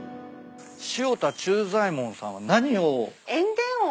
塩田忠左衛門さんは何を？